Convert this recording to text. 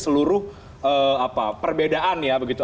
seluruh perbedaan ya begitu